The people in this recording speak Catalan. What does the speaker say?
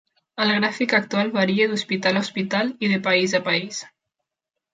El gràfic actual varia d'hospital a hospital i de país a país.